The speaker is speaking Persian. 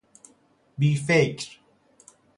بیفکر